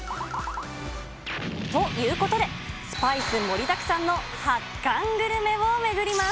と、いうことでスパイス盛りだくさんの発汗グルメを巡ります。